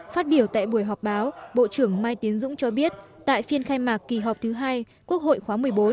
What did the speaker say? phát biểu tại buổi họp báo bộ trưởng mai tiến dũng cho biết tại phiên khai mạc kỳ họp thứ hai quốc hội khóa một mươi bốn